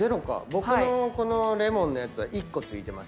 僕のこのレモンのやつは１個付いてますからね。